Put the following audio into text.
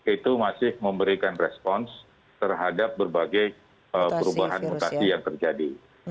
itu masih memberikan respons terhadap berbagai perubahan mutasi yang terjadi